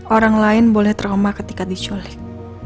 orang lain boleh trauma ketika diculik